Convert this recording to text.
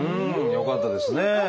よかったです。